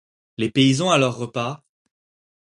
Les paysans à leur repas ;